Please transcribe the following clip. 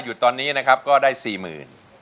ตอนนี้นะครับก็ได้๔๐๐๐บาท